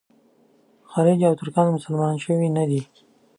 خلج او ترکان مسلمانان شوي نه دي.